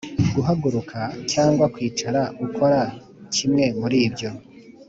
Guhaguruka cyangwa kwicara ukora kimwe muribyo